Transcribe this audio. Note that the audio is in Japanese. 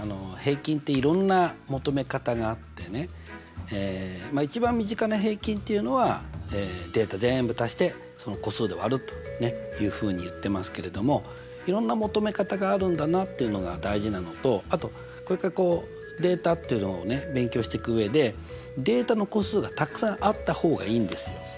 平均っていろんな求め方があってねまあ一番身近な平均っていうのはデータぜんぶ足してその個数で割るというふうに言ってますけれどもいろんな求め方があるんだなっていうのが大事なのとあとこれからこうデータっていうのを勉強していく上でデータの個数がたくさんあった方がいいんですよ。